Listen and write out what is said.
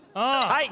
はい。